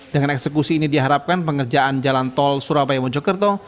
dengan eksekusi ini diharapkan pengerjaan jalan tol surabaya mojokerto